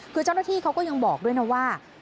คือเจ้าหน้าที่เขาก็ยังบอกด้วยนะว่า